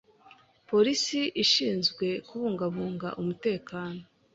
Polisi ishinzwe kubungabunga umutekano.